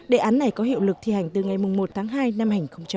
đề án này có hiệu lực thi hành từ ngày một tháng hai năm hai nghìn hai mươi